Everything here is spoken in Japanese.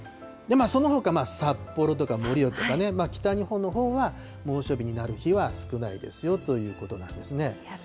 そのほか札幌とか盛岡とかね、北日本のほうは猛暑日になる日は少ないですよということなんですね。